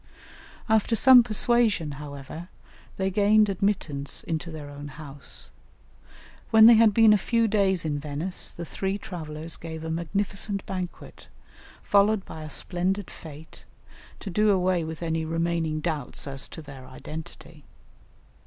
After some persuasion, however, they gained admittance into their own house. When they had been a few days in Venice, the three travellers gave a magnificent banquet, followed by a splendid fête, to do away with any remaining doubts as to their identity.